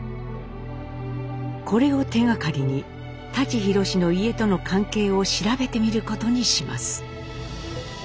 これを手がかりに舘ひろしの家との関係を調べてみることにします。